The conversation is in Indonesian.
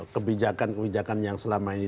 kebijakan kebijakan yang selama ini